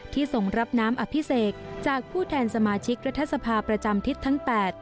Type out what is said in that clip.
ส่งรับน้ำอภิเษกจากผู้แทนสมาชิกรัฐสภาประจำทิศทั้ง๘